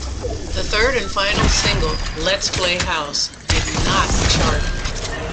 The third and final single, "Lets Play House", did not chart.